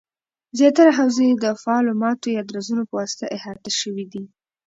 زیاتره حوزې د فعالو ماتو یا درزونو پواسطه احاطه شوي دي